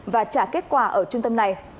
và trả kết quả ở trung tâm này